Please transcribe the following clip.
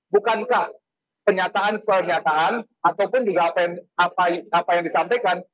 bukankah pernyataan pernyataan ataupun juga apa yang disampaikan